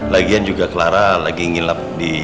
lagian juga clara lagi ngilap di